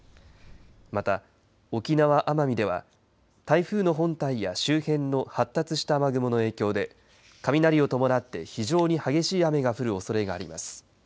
また、沖縄・奄美では台風の本体や周辺の発達した雨雲の影響で雷を伴って非常に激しい雨が降るおそれがあります。